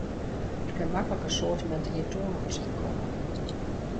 Der kin maklik in soartement ientoanigens yn komme.